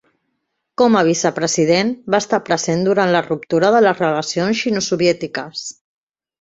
Com a vicepresident, va estar present durant la ruptura de les relacions xino-soviètiques.